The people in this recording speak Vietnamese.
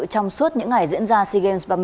trong suốt những ngày diễn ra sea games ba mươi